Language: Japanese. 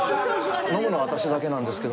飲むのは私だけなんですけど。